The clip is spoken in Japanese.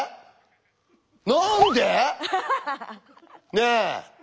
ねえ。